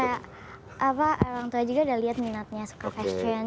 kayak apa orang tua juga udah lihat minatnya suka fashion